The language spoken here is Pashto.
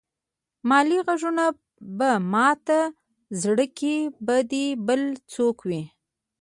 مالې غږېږې به ماته زړه کې به دې بل څوک وي.